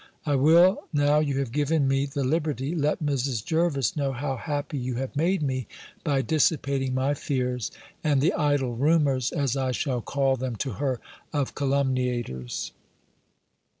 "I will, now you have given me the liberty, let Mrs. Jervis know how happy you have made me, by dissipating my fears, and the idle rumours, as I shall call them to her, of calumniators.